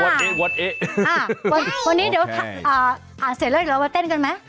วันนี้เดี๋ยวเสร็จแล้วเรามาเต้นกันไหม